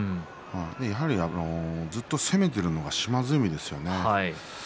やはりずっと攻めているのが島津海ですよね。